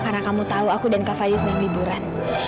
karena kamu tahu aku dan kak fadil sedang liburan